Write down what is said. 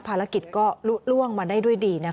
ความรับผิดชอบการตัดสินใจที่เด็ดขาด